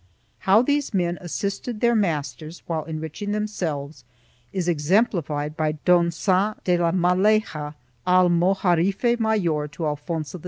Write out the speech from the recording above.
How these men assisted their masters while enrich ing themselves is exemplified by Don Qag de la Maleha, almojarife mayor to Alfonso X.